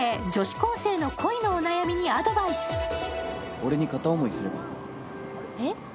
俺に片思いすれば？